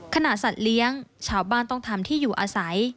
สัตว์เลี้ยงชาวบ้านต้องทำที่อยู่อาศัย